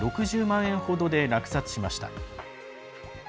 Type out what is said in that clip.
６０万円ほどで落札しました。